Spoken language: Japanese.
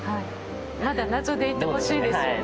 まだ謎でいてほしいですよね。